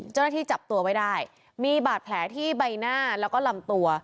เจ้าหน้าที่จับตัวไว้ได้มีบาดแผลที่ใบหน้าแล้วก็ลำตัว